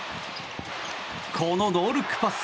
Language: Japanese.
このノールックパス。